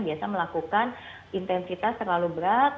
biasa melakukan intensitas terlalu berat